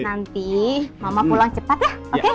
nanti mama pulang cepat ya oke